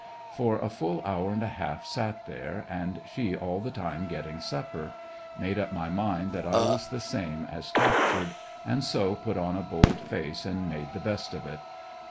For a full hour and a half sat there, and she all the time getting supper. Made up my mind that I was the same as captured, and so put on a bold face and made the best of it.